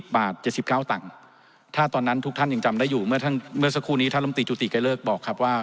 บาท๗๙ตังค์ถ้าตอนนั้นทุกท่านยังจำได้อยู่เมื่อสักครู่นี้ท่านลำตีจุติไกรเลิกบอกครับว่า